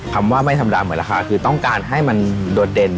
คำว่าไม่ธรรมดาเหมือนราคาคือต้องการให้มันโดดเด่น